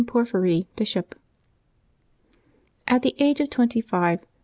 PORPHYRY, Bishop. HT the age of twenty five.